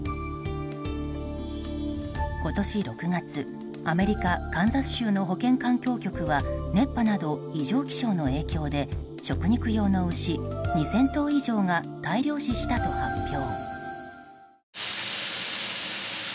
今年６月、アメリカカンザス州の保健環境局は熱波など異常気象の影響で食肉用の牛２０００頭以上が大量死したと発表。